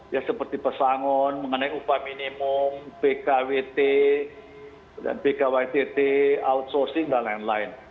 ya seperti pesangon mengenai upah minimum bkwt dan bkwtt outsourcing dan lain lain